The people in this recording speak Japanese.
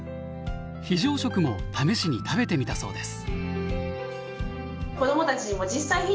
非常食も試しに食べてみたそうです。